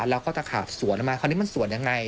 แล้วก็จะขาดส่วนมาอันนี้มันส่วนยังไง